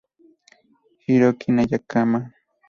Hiroki Nakayama